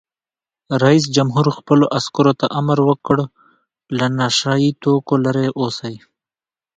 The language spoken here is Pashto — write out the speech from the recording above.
رئیس جمهور خپلو عسکرو ته امر وکړ؛ له نشه یي توکو لرې اوسئ!